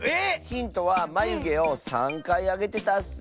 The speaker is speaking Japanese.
⁉ヒントはまゆげを３かいあげてたッス。